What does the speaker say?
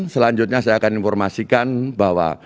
selanjutnya saya akan informasikan bahwa